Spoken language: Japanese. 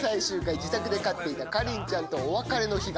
自宅で飼っていた、かりんちゃんとお別れの日が。